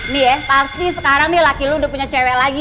nih ya tafsi sekarang nih laki lu udah punya cewek lagi